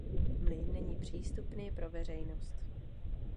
Mlýn není přístupný pro veřejnost.